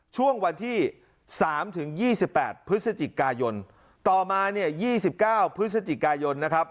ช่วงวันที่๓ถึง๒๘พฤศจิกายนต่อมาเนี่ย๒๙พฤศจิกายนนะครับ